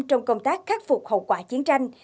trong công tác khắc phục hậu quả chiến tranh